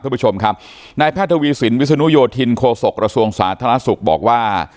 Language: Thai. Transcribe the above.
คุณผู้ชมครับนายแพทย์ทวีสินวิศนุโยธินโคศกระทรวงสาธารณสุขบอกว่า